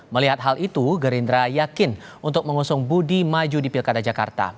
melihat hal itu gerindra yakin untuk mengusung budi maju di pilkada jakarta